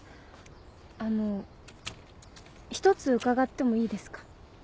あの一つ伺ってもいいですか？